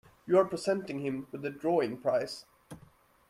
You are presenting him with the drawing prize.